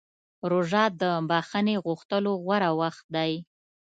روژه د بښنې غوښتلو غوره وخت دی.